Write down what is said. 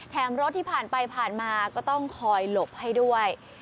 รถที่ผ่านไปผ่านมาก็ต้องคอยหลบให้ด้วย